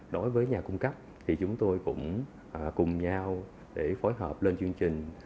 đối với nhà cung cấp thì chúng tôi cũng cùng nhau để phối hợp lên chương trình